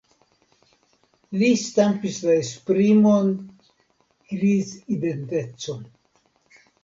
Li stampis la esprimon "krizidenteco".